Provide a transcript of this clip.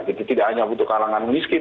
tidak hanya untuk kalangan miskin